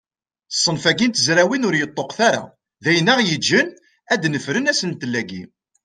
Ṣṣenf-agi n tezrawin ur yeṭṭuqet ara, d ayen aɣ-yeǧǧen ad d-nefren asentel-agi.